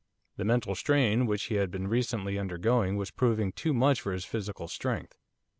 The mental strain which he had been recently undergoing was proving too much for his physical strength.